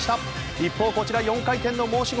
一方、こちら４回転の申し子